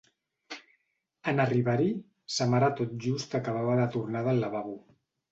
En arribar-hi, sa mare tot just acabava de tornar del lavabo.